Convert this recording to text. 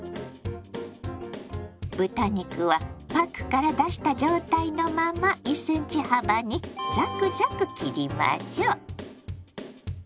豚肉はパックから出した状態のまま１ｃｍ幅にザクザク切りましょう。